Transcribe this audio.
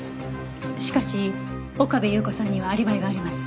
しかし岡部祐子さんにはアリバイがあります。